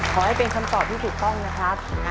ขอให้เป็นคำตอบที่ถูกต้องนะครับ